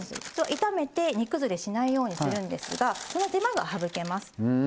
普通は炒めて煮崩れしないようにするんですがその手間が省けます。